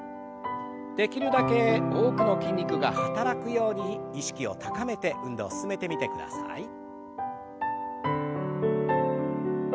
できるだけ多くの筋肉が働くように意識を高めて運動を進めてみてください。